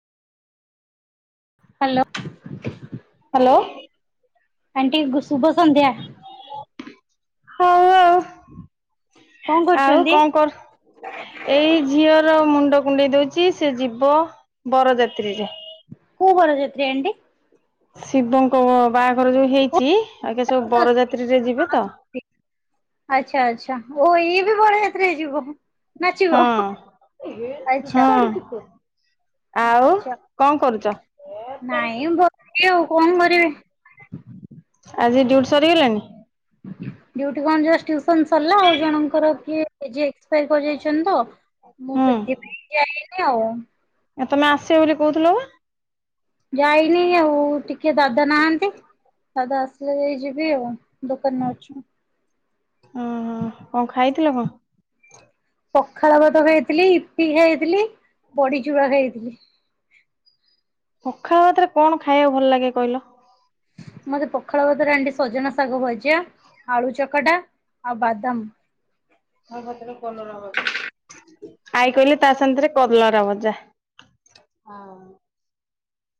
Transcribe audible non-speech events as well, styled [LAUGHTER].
Hello. Hello. Aunty ଗୁ ଶୁଭ ସଂନ୍ଧ୍ୟା। ହଉ ଆଉ କଣ ଆଉ କରୁଛନ୍ତି କଣ କର ଏଇ ଝିଅର ମୁଣ୍ଡ କୁଣ୍ଡେଇ ଦଉଛି ସିଏ ଯିବ ବରଯାତ୍ରୀରେ କୋଉ ବରଯାତ୍ରୀ ଆଣ୍ଟି ଶିବଙ୍କ ବାହାଘର ଯୋଉ ହେଇଛି ଆଙ୍କେ ସବୁ ବରଯାତ୍ରୀରେ ଯିବେ ତ ଆଚ୍ଛା ଆଚ୍ଛା ଓ ଇ ବି ବରଯାତ୍ରୀ ରେ ଯିବକି ହଁ ହଁ। ଆଉ ଆଛା କଣ କରୁଛ ନାଇଁ [UNINTELLIGIBLE] ଆଉ କଣ କରିବି ଆଜି ଡିୟୁଟି ସରି ଗଲାଣି ଡିଉଟି କଣ ଯେ ଟିୟୁସନ ସରିଲା ଆଉ ଜଣଙ୍କର କିଏ ଆଜି ଏକ୍ସପାଇର କରିଯାଇଛନ୍ତି ତ ମୁଁ ସେଥିପାଇଁ ଯାଇନି ଆଉ ଆ ତମେ ଆସିବ ବୋଲି କହୁଥିଲ ବା ଯାଇନି ଆଉ ଟିକେ ଦାଦା ନାହାନ୍ତି। ଦାଦା ଆସିଲେ ଯାଇ ଯିବି ଆଉ ଦୋକାନରେ ଅଛୁ। ଓହୋ କଣ ଖାଇଥିଲ କଣ? ପଖାଳ ଭାତ ଖାଇଥିଲି ଇପି ଖାଇଥିଲି ବଡି ଚୁରା ଖାଇଥିଲି। ପଖାଳ ଭାତରେ କଣ ଖାଇବାକୁ ଭଲ ଲାଗେ କହିଲ। ମତେ ପଖାଳ ଭାତରେ ଏଣ୍ଡି ସଜନା ଶାଗ ଭଜା ଆଳୁ ଚକଟା ଆଉ ବାଦାମ। ଆଉ ଭାତରେ କଲରା [UNINTELLIGIBLE] ଆଇ କହିଲେ ତା ସାଂଗରେ କରଲାର ଭଜା ହଁ।